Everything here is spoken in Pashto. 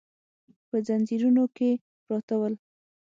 په ځنځیرونو کې پراته ول.